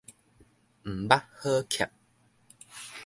毋捌好㾀